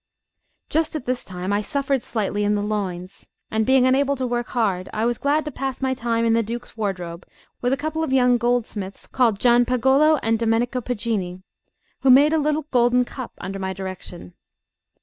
Just at this time I suffered slightly in the loins, and being unable to work hard, I was glad to pass my time in the Duke's wardrobe with a couple of young goldsmiths called Gianpagolo and Domenico Poggini, who made a little golden cup under my direction.